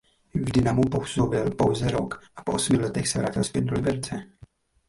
V Dynamu působil pouze rok a po osmi letech se vrátil zpět do Liberce.